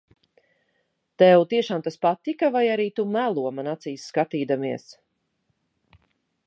Tev tiešām tas patika, vai arī tu melo, man acīs skatīdamies?